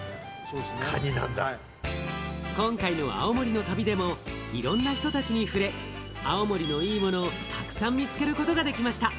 今回の青森の旅でもいろんな人たちに触れ、青森のイイモノをたくさん見つけることができました。